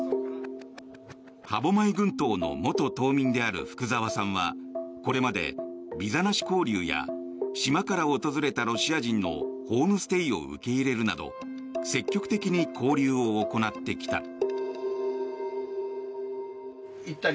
歯舞群島の元島民である福沢さんはこれまで、ビザなし交流や島から訪れたロシア人のホームステイを受け入れるなど積極的に交流を行ってきた。